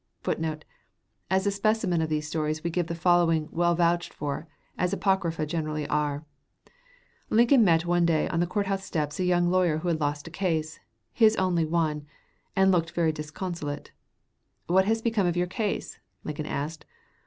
[Footnote: As a specimen of these stories we give the following, well vouched for, as apocrypha generally are: Lincoln met one day on the courthouse steps a young lawyer who had lost a case his only one and looked very disconsolate. "What has become of your case?" Lincoln asked.